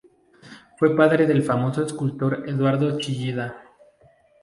Fue padre del famoso escultor Eduardo Chillida.